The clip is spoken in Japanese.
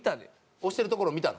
押してるところを見たの？